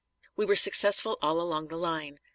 We were successful all along the line.